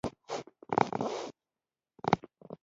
هغه ټولې نړۍ ته ښکلا ور په برخه کړه